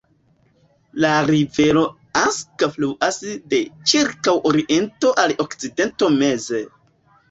La rivero Anska fluas de ĉirkaŭ oriento al okcidento meze.